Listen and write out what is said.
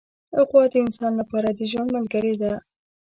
غوا د انسان لپاره د ژوند ملګرې ده.